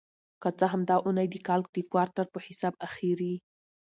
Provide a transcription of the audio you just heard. که څه هم دا اونۍ د کال د کوارټر په حساب اخېری